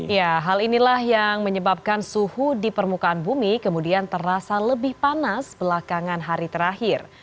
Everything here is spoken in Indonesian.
ya hal inilah yang menyebabkan suhu di permukaan bumi kemudian terasa lebih panas belakangan hari terakhir